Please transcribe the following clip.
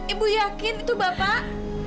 ibu yakin itu bapak